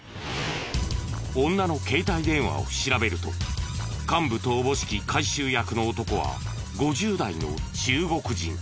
女の携帯電話を調べると幹部とおぼしき回収役の男は５０代の中国人。